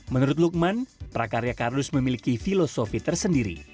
menurut lukman prakarya kardus memiliki filosofi tersendiri